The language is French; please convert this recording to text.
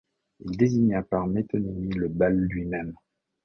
Il désigna par métonymie le bal lui-même.